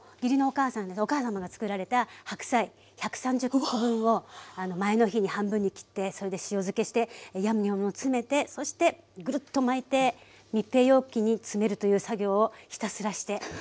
お母さまがつくられた白菜１３０コ分を前の日に半分に切ってそれで塩漬けしてヤムニョムを詰めてそしてグルッと巻いて密閉容器に詰めるという作業をひたすらして。